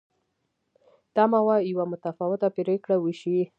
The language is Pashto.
تمه وه یوه متفاوته پرېکړه وشي.